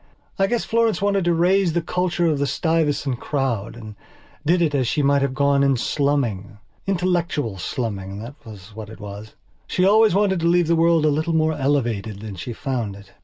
I guess Florence wanted to raise the culture of the Stuyvesant crowd and did it as she might have gone in slumming. Intellectual slumming, that was what it was. She always wanted to leave the world a little more elevated than she found it.